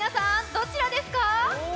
どちらですか？